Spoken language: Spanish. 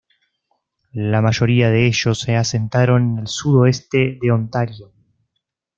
La mayoría de ellos se asentaron en el sudoeste de Ontario.